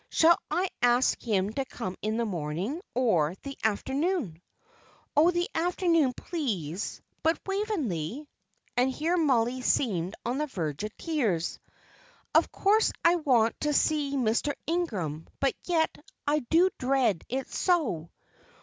Shall I ask him to come in the morning, or the afternoon?" "Oh, the afternoon, please. But Waveney," and here Mollie seemed on the verge of tears "of course I want to see Mr. Ingram, but yet I do dread it so.